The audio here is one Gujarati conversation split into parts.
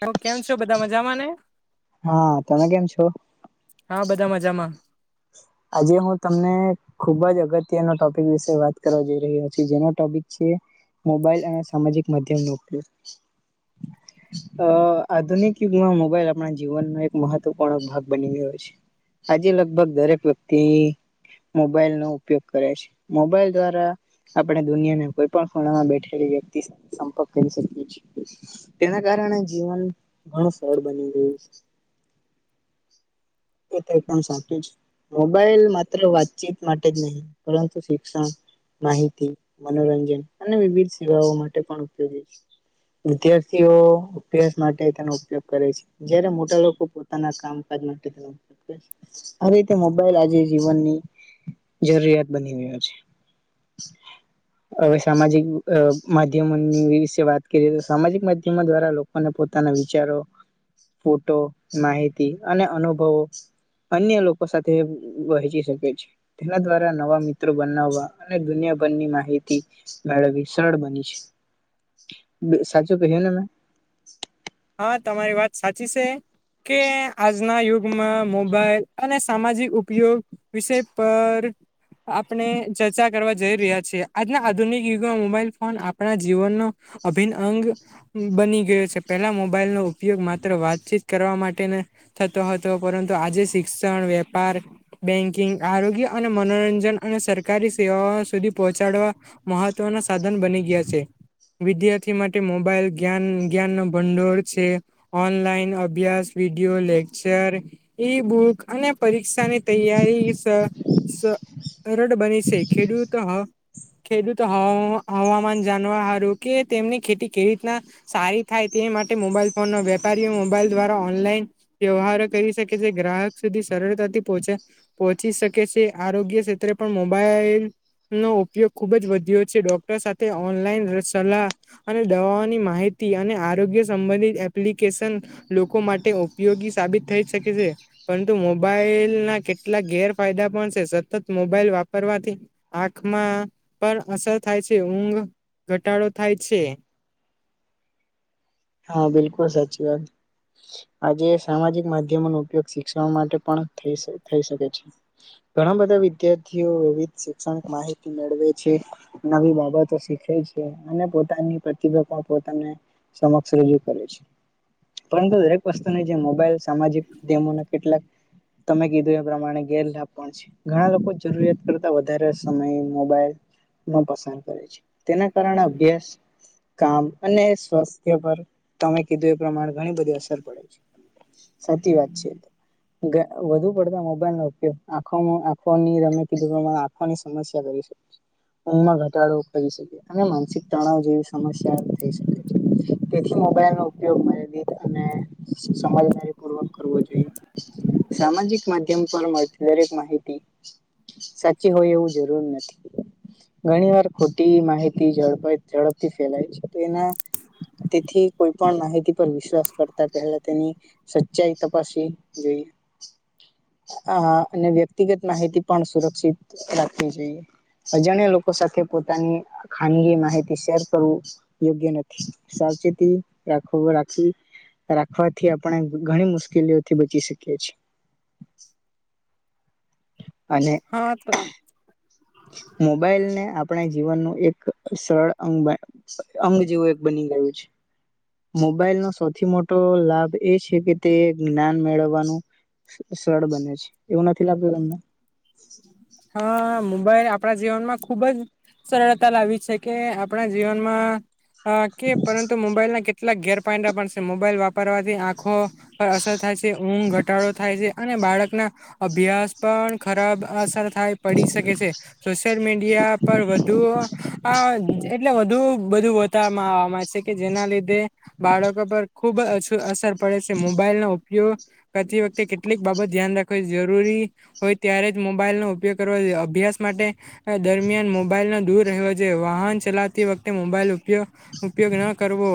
તો કેમ છો બધા મજામાં ને? હા, તમે કેમ છો? હા બધા મજામાં. આજે હું તમને ખુબ જ અગત્યનો ટોપિક વિશે વાત કરવા જઈ રહ્યો છું, જેનો ટોપિક છે. મોબાઈલ અને સામાજિક માધ્યમ નોકરી અ આધુનિક યુગમાં મોબાઈલ આપણા જીવનનો એક મહત્વપૂર્ણ ભાગ બની ગયો છે. આજે લગભગ દરેક વ્યક્તિ મોબાઈલ નો ઉપયોગ કરે છે, મોબાઈલ દ્વારા આપણે દુનિયાને કોઈ પણ ખૂણામાં બેઠેલી વ્યક્તિ સંપર્ક કરી શકીએ છીએ તેના કા રણે જીવન ઘણું સરળ બની ગયું એ તો એક સાચું જ મોબાઈલ માત્ર વાતચીત માટે જ નહીં પરંતુ શિક્ષણ માહિતી, મનોરંજન અને વિવિધ સેવાઓ માટે પણ ઉપયોગી છે. વિદ્યાર્થીઓ અભ્યાસ માટે તેનો ઉપયોગ કરે છે, જયારે મોટા લોકો પોતાના કામકાજ [unintelligible] આ રીતે મોબાઈલ આજે જીવનની જરૂરિયાત બની ગયો છે. [inaudible] હવે સામાજિક અ માધ્યમોની વિશે વાત કરીએ તો સામાજિક માધ્યમો દ્વારા લોકોને પોતાના વિચારો, ફોટો, માહિતી અને અનુભવો અન્ય લોકો સાથે વહેચી શકે છે, તેના દ્વારા નવા મિત્રો બનાવવા અને દુનિયા ભ રની માહિતી મેળવી સરળ બની છે. સાચું કહ્યું ને મે? હા, તમારી વાત સાચી શે કે આજના યુગમાં મોબાઈલ અને સામાજિક ઉપયોગ વિષય પર આપણે ચર્ચા કરવા જઈ રહ્યા છીએ આજના આધુનિક યુગમાં મોબાઈલ ફોન આપણા જીવનનો અભિન્ન અંગ બની ગયો છે. પહેલા મોબાઈલનો ઉપયોગ માત્ર વાતચીત કરવા માટેને થતો હતો પરંતુ આજે શિક્ષણ વેપાર, બેંકિંગ, આરોગ્ય અને મનોરંજન અને સરકારી સેવાઓ સુધી પહોચાડવા મહત્વના સાધન બની ગયા છે. વિદ્યાર્થી માટે મોબાઈલ જ્ઞાન જ્ઞાન ભંડોર છે, ઓનલાઈન અભ્યાસ, વિડીયો, લેકચર, ઈ બુક અને પરીક્ષાની તૈયારી સ સ સરળ બની છે ખેડૂતો હ ખેડૂતો હ હવામાન જાનવા હારુ કે તેમની ખેતી કેવી રીતના સારી થાય તે માટે મોબાઈલ ફોન ન વેપારીઓ મોબાઈલ દ્વારા ઓનલાઈન વ્યવહારો કરી શકે છે, ગ્રાહક સુધી સરળતાથી પહોંચે પહોંચી શકે છે, આરોગ્ય ક્ષેત્રે પણ મોબાઈલ નો ઉપયોગ ખુબ જ વધ્યો છે ડોક્ટર સાથે ઓનલાઈન સલાહ અને દવાઓની માહિ તી અને આર આરોગ્ય સંબંધિત એપ્લિકેશન લોકો માટે ઉપયોગી સાબિત થઈ શકે છે. પરંતુ મો બાઈલ ના કેટલાક ગેરફાયદા પણ છે, સતત મોબાઈલ વાપરવાથી આંખમાં પર અસર થાય છે, ઊઘ ઘટાડો થાય છે. [unintelligible] હા, બિલકુલ સાચી વાત. આજે સામાજિક માધ્યમોનો ઉપયોગ શિક્ષવા માટે પણ થઈ થઈ શકે છે. ઘણા બધા વિદ્યાર્થીઓ વિવિધ શિક્ષણ માહિતી મેળવે છે, નવી બાબતો શીખે છે, અને પોતાની પ્રતિભા પણ પોતાને સમક્ષ રજૂ કરે છે. પરંતુ દરેક વસ્તુને જે મોબાઈલ સામાજિક માધ્યમોના કેટલાક તમે કીધું એ પ્રમાણે ગેરલાભ પણ છે ઘણા લોકો જરૂરિયાત કરતા વધારે સમય મોબાઈલ નો પસાર કરે છે, તેના કારણે અભ્યાસ કામ અને સ્વસ્થ પર તમે કીધું એ પ્રમાણે ઘણી બધી અસર પડે છે, સાચી વાત છે, ઘ વધુ પડતા મોબાઈલ નો ઉપયોગ આખો આખોની તમે કીધું આખોની સમસ્યા કરી [unintelligible] ઊંઘમાં ઘટાડો કરી શકે અને માનસિક તણાવ જેવી સમસ્યા થઈ શકે છે, તેથી મોબાઈલ નો ઉપયોગ [inaudible] અને સમજદારી પૂર્વક કરવો જોઈએ, સામાજિક માધ્યમ પર મળતી દરેક માહિતી સાચી હોય એવું જરૂર નથી. ઘણી વાર ખોટી માહિતી ઝડપથી ફેલાય છે, તેના તેથી કોઈ પણ માહિતી પર વિશ્વાસ કરતા પહેલા તેની સચ્ચાઈ તપાસી જોઈએ, [unintelligible] અહ અને વ્યક્તિગત માહિતી પણ સુરક્ષિત રાખવી જોઈએ. અજાણ્યા લોકો સાથે પોતાની ખાનગી માહિતી શેર કરવું યોગ્ય નથી, સાવચેતી રાખવી. રાખવાથી આપણે ઘણી મુશ્કેલીઓથી બચી શકીએ છીએ, [unintelligible] અને હા ખા આપણે જીવનનું એક સરળ અંગબાય અંગ જેવું એક બની ગયું છે, મોબાઈલનો સૌથી મોટો લાભ એ છે, કે તે જ્ઞાન મેળવવાનું સરળ બને છે, એવું નથી લાગ્યું તમને હા મુ ભાઈ આપણા જીવનમાં ખુબ જ સરળતા લાવી છે, કે આપણા જીવનમાં હ કે પરંતુ મોબાઈલ ના કેટલાક પણ છે, મોબાઈલ વાપરવાથી આંખો પર અસર થાય છે ઊંઘ ઘટાડો થાય છે, અને બાળક ના અભ્યાસ પણ ખરાબ અસર પડી શકે છે સોશિયલ મીડિયા પર વધુ અ [inaudible] [unintelligible] છે કે જેના લીધે બાળકો પર [unintelligible] અસર પડે છે મોબાઈલના ઉ કરતી વખતે કેટલીક બાબત ધ્યાન રાખવી જરૂરી હોય ત્યારે જ મોબાઈલ નો ઉપયોગ કરવો જોઈએ, અભ્યાસ માટે દરમિયાન મોબાઈલ વાહન ચલાવતી વખતે મોબાઈલ ઉપયોગ ન કરવો,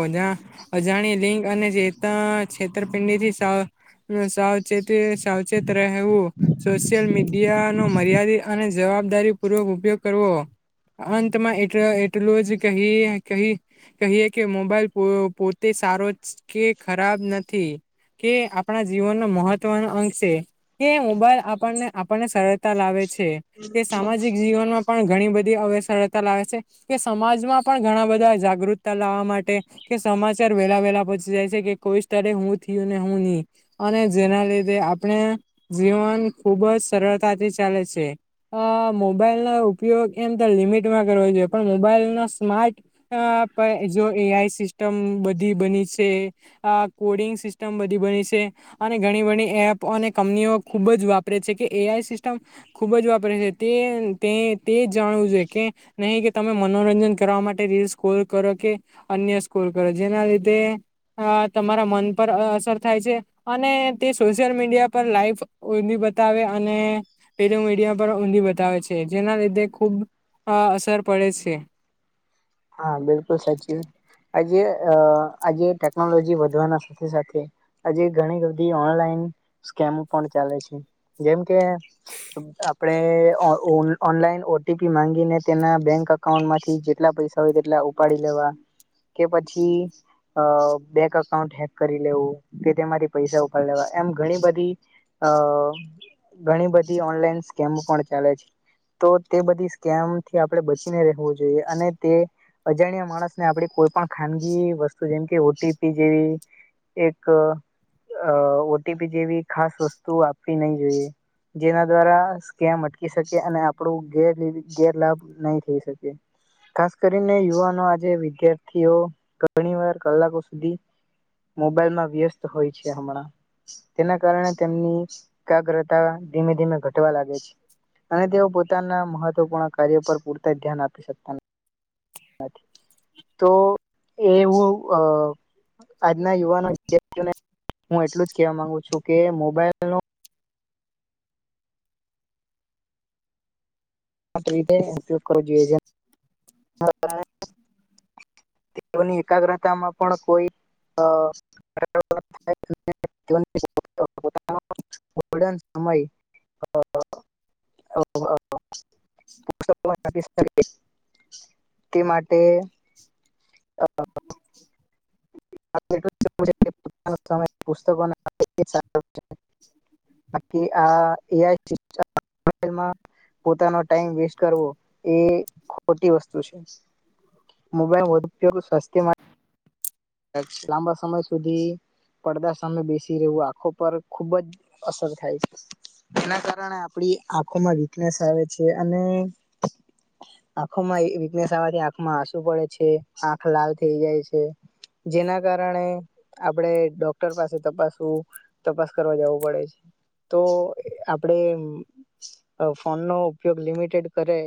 અજાણી લિંંગ અને જેતા છેતરપિંડીથી સા સાવચેત રહેવું સોશિયલ મીડિયાનો, મર્યાદિત અને જવાબદારી પૂર્વક ઉપયોગ કરવો, અંતમાં એટલું જ કહીએ કે મોબાઈલ પોતે સારો કે ખરાબ નથી, કે આપણા જીવનનો મહત્વનો અંગ છે કે મોબાઈલ આપણને આપણને સર તાલાવે છે તે સામાજિક જીવનમાં પણ ઘણી બધી અવસરતા લાવે છે, કે સમાજમાં પણ ઘણા બધા જાગૃતતા લાવવા માટે કે સમાચાર વેલા વેલા પહોંચી જાય છે, કે કોઈ સ્થળે હું થીયું ને હું ની, અને જેના લીધે આપણે ણે જીવન ખુબ જ સરળ તાથી ચાલે છે. અ મોબાઈલનો ઉપયોગ એમ તો લિમિટમાં કરવો જોઈએ, પણ મોબાઈલનો સ્માર્ટ, જો એ આઈ સિસ્ટમ બધી બની છે કોડિં ગ સિસ્ટમ બધી બની છે, અને ઘણી બણી એપ અને કંપનીઓ ખુબ જ વાપરે છે, કે એ આઈ સિ સ્ટમ ખૂબ જ વાપરે છે, તે તે, તે જાણવું જોઈએ, કે નહીં કે તમે મનોરંજન કરવા માટે રીલ સ્કોલ કરો, કે અન્ય સ્કોલ કરો, જેના લીધે અ તમારા મન પર અ અસર થાય છે અને તે સોશિયલ મીડિયા પર લાઈવ કોઈ બી બતાવે અનેે [unintelligible] મીડિયા પર ઊંધી બતાવે છે, જેના લીધે ખૂબ અ, અસર પડે છે. હા, બિલકુલ સાચી વાત. આજે, આજે ટેકનોલોજી વધવાના સાથે સાથે આજે ઘણી બધી ઓનલાઈન સ્કેમો પણ ચાલે છે. જેમકે આપણે ઓ ઓનલાઈન ઓ ટી પી માંગીને, તેના બેંક અકાઉન્ટમાંથી જેટલા પૈસા જેટલા હોય તેટલા ઉપાડી લેવા કે પછી, અ બેક અકાઉન્ટ હેક કરી લેવું, કે તેમાંથી પૈસા ઉપાડ લેવા એમ ઘણી બધી, અ ઘણી બધી ઓનલાઈન સ્કેમ પણ ચાલે છે. તો તે બધી સ્કેમથી આપણે બચીને રહેવું જોઈએ, અને તે અજાણ્યા માણસને આપણી કોઈ પણ ખાનગી વસ્તુ જેમ કે ઓ ટી પી જેવી એક અ ઓ ટી પી જેવી ખાસ વસ્તુ આપવી નહીં જોઈએ. જેના દ્વારા સ્કેમ અટકી શકે અને આપણું ગેર ગેરલાભ નહીં થઈ શકે. ખાસ કરીને યુવાનો આજે વિદ્યાર્થીઓ ઘણી વાર કલાકો સુધી મોબાઈલમાં વ્યસ્ત હોય છે હમણાં. તેના કારણે તેમની એકાગ્રતા ધીમે ધીમે ઘટવા લાગે છે. અને તેઓ પોતાના મહત્વપૂર્ણ કાર્યો પર પૂરતા ધ્યાન આપી શકતા નથી. તો, એ હું અ આજના યુવાનો વિદ્યાર્થીઓને હું એટલું જ કેવા માંગુ છું, કે મોબાઈલનો [inaudible] તેઓની એકાગ્રતામાં પણ કોઈ તો [unintelligible] ગોલ્ડન સમય [inaudible] [inaudible] તે માટે [inaudible] [unintelligible] પુસ્તકો [unintelligible] બાકી આ એ આઈ [unintelligible] પોતાનો ટાઈમ વેસ્ટ કરવો, એ ખોટી વસ્તુ છે. મોબાઈલ વધુ ઉપયોગ સ્વાસ્થ્ય માટે કદાચ લાંબા સમય સુધી પડદા સામે બેસી રહેવું, આંખો પર ખૂબ જ અસર થાય છે. એના કારણે આપડી આંખોમાં વીકનેસ આવે છે, અને આંખોમાં એ વીકનેસ આવવાથી આંખમાં આસુ પડે છે, આંખ લાલ થઈ જાય છે. જેના કારણે આપડે ડોક્ટર પાસે તપાસવું, તપાસ કરવા જવું પડે છે. તો આપડે ફોન નો ઉપયોગ લિમિટેડ કરે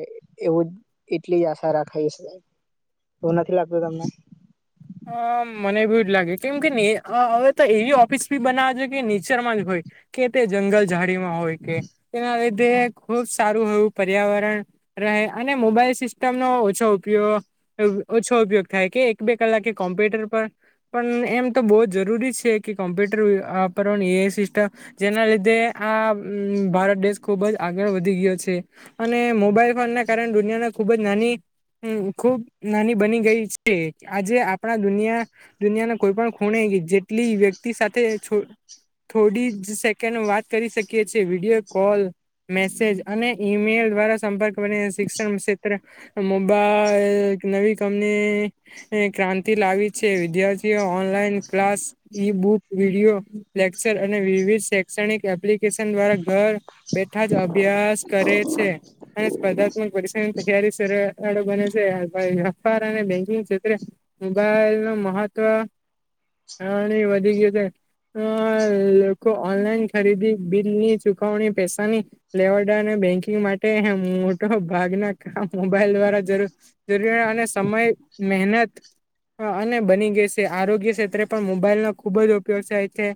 એવું જ એટલી જ આશા રાખાય છે. એવું નથી લાગતું તમને? હ, મને બી એવું જ લાગે. કેમ કે હવે તો અં અં એવી ઓફિસ બી બનાવા જોઈએ કે ને ચરમાં જ હોય, કે તે જંગલ ઝાડીઓમાં હોય. તેના લીધે, ખુબ સારું એવું પર્યાવરણ રહે, અને મોબાઈલ સિસ્ટમનો ઓછો ઉપયો ગ, ઓછો ઉપયોગ થાય કે એક બે કલાકે કોમ્પ્યુટર પર પણ એમ તો બહુ જ જરૂરી છે કે કોમ્પ્યુટર વાપરવાની એ [unintelligible] જેના લીધે આ ભારત દેશ ખુબ જ આગળ વધી ગ્યો છે. અને મોબાઈલ ફોન ના કારણે દુનિયાના ખૂબ જ નાની ખૂબ નાની બની ગઈ છે. આજે આપણા દુનિયા દુનિયાના કોઈ પણ ખૂણે જેટલી વ્યક્તિ સાથે થોડી જ સેકન્ડ વાત કરી શકીએ છીએ [unintelligible] કોલ. મેસેજ અને ઈમેલ દ્વારા સંપર્ક [unintelligible] શિક્ષણ ક્ષેત્ર મોબાઈલ. એક નવી કંપની. ક્રાંતિ લાવી છે, વિદ્યાર્થીઓ online class e book [unintelligible] lecture અને વિવિધ શૈક્ષણિક એપ્લિકેશન દ્વારા ઘર બેઠા જ અભ્યાસ કરે છે. અને સ્પર્ધાત્મક પરીક્ષાની તૈયારી સરળો બને છે, [unintelligible] અને [unintelligible] ક્ષેત્રે મોબાઈલ [unintelligible] મહત્વ વધી ગયું છે. અ લોકો ઓનલાઈન ખરીદી બિલની ચુકવણી પૈસાની [unintelligible] બેંકિંગ માટે મોટા ભાગના [unintelligible] મોબાઈલ દ્વારા [unintelligible] અને સમય મહેનત. હ અને બની [unintelligible] આરોગ્ય ક્ષેત્રે પણ મોબાઈલ નો ખુબ જ ઉપયોગ છે,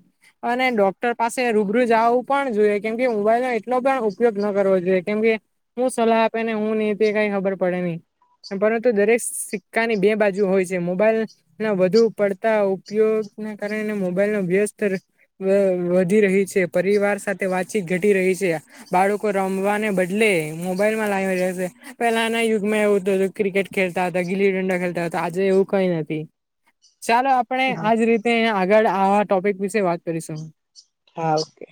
અને ડોક પાસે રૂબરૂ જું પણ જોઈએ. કેમકે, મોબાઈલ નો એટલો પણ ઉપયોગ ન કરવો જોઈએ કેમ કે. સલાહ આપે ને હું નહ કઈ ખબર પડે નહી. પરંતુ દરેક ની બે બાજુ હોય છે' મોબાઈલ ના વધુ પડતા ઉપયોગ ના કારણે મોબાઈલ ન [unintelligible] વધી રહી, [unintelligible] પરિવાર સાથે વાતચીત ઘટી રહી છે, બાળકોમ ને બદલે મોબાઈલ માં [unintelligible] પેલા ના યુગમાં એવું હતું હતું ક્રિકેટ ખેલતા હતા. ગીલી ડંડા ખેલતા હતા. આજે એવું કઈ નથી ચાલો આપણે આજ રીતે આગળ આવા ટોપિક વિશે વાત કરીશું. હા, ઓકે.